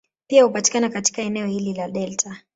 Pia hupatikana katika eneo hili la delta.